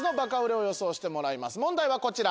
問題はこちら。